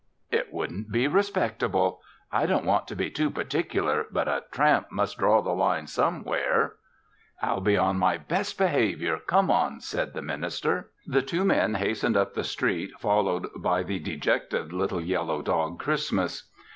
"It wouldn't be respectable. I don't want to be too particular but a tramp must draw the line somewhere." "I'll be on my best behavior. Come on," said the minister. The two men hastened up the street followed by the dejected little yellow dog, Christmas.